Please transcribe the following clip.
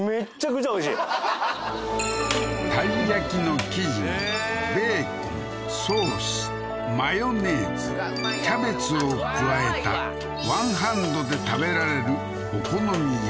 鯛焼きの生地にベーコンソースマヨネーズキャベツを加えたワンハンドで食べられるお好み焼き